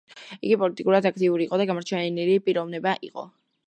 იგი პოლიტიკურად აქტიური და გამოჩენილი პიროვნება იყო.